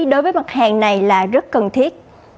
đối với mặt hàng này là rất cần thiết